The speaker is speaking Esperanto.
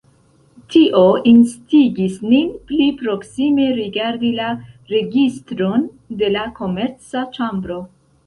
Tio instigis nin pli proksime rigardi la registron de la Komerca ĉambro.